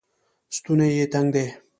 ستونی یې تنګ دی